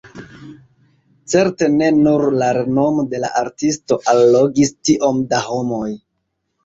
Certe ne nur la renomo de la artisto allogis tiom da homoj.